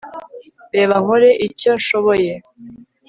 reba nkore icyo nshoboye